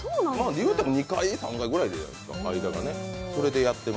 言うても２階、３階くらいじゃないですかね。